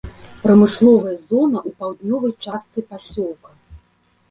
Прамысловая зона ў паўднёвай частцы пасёлка.